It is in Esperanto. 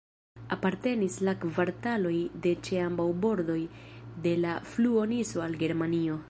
Apartenis la kvartaloj de ĉe ambaŭ bordoj de la fluo Niso al Germanio.